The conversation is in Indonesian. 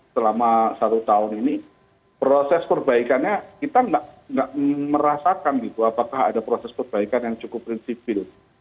selama satu tahun ini proses perbaikannya kita tidak merasakan gitu apakah ada proses perbaikan yang cukup prinsipil